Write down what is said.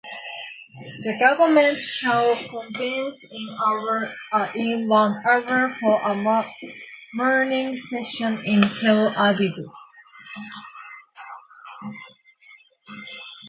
The government shall convene in one hour for a mourning session in Tel Aviv.